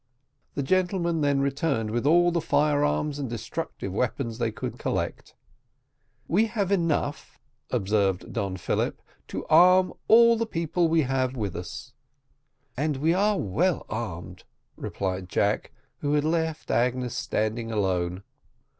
The gentlemen then returned with all the fire arms and destructive weapons they could collect. "We have enough," observed Don Philip, "to arm all the people we have with us." "And we are all well armed," replied Jack, who had left Agnes standing alone.